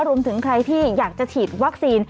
รวมถึงใครที่อยากจะฉีดวัคซีน